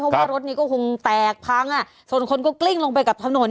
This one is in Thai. เพราะว่ารถนี้ก็คงแตกพังอ่ะส่วนคนก็กลิ้งลงไปกับถนน